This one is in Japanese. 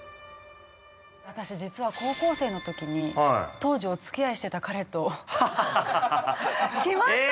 私実は高校生の時に当時おつきあいしてた彼と来ました